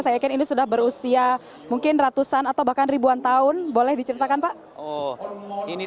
saya yakin ini sudah berusia mungkin ratusan atau bahkan ribuan tahun boleh diceritakan pak